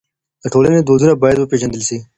د ټولني دودونه بايد وپېژندل سي.